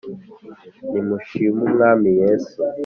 Nimushim' Umwami Yesu :